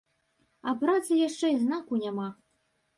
А працы яшчэ і знаку няма.